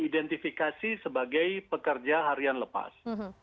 identifikasi sebagai pekerja harian lepas